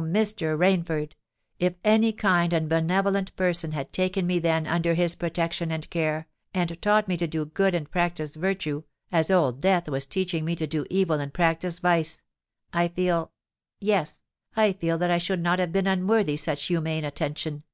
Mr. Rainford—if any kind and benevolent person had taken me then under his protection and care, and taught me to do good and practise virtue, as Old Death was teaching me to do evil and practise vice, I feel—yes, I feel that I should not have been unworthy such humane attention!